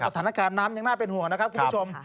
สถานการณ์น้ำยังน่าเป็นห่วงนะครับคุณผู้ชม